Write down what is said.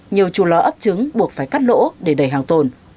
nhiều chù ló ấp trứng buộc phải cắt lỗ để đầy hàng tồn